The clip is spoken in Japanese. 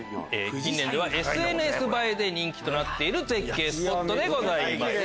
近年ＳＮＳ映えで人気となっている絶景スポットでございます。